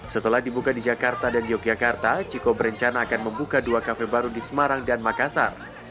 setelah dibuka di jakarta dan yogyakarta chiko berencana akan membuka dua kafe baru di semarang dan makassar